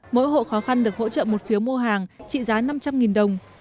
mỗi hộ khó khăn được hỗ trợ một phiếu mua hàng trị giá năm trăm linh đồng